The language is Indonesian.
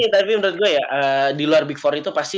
tapi menurut gue ya di luar big empat itu pasti